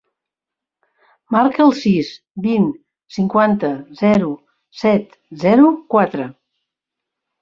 Marca el sis, vint, cinquanta, zero, set, zero, quatre.